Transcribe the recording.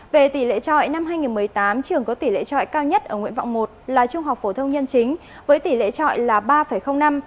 về tỷ lệ trọi năm hai nghìn một mươi tám trường có tỷ lệ trọi cao nhất ở nguyện vọng một là trung học phổ thông nhân chính với tỷ lệ trọi là ba năm